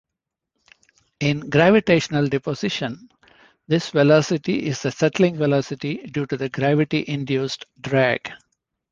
In gravitational deposition, this velocity is the settling velocity due to the gravity-induced drag.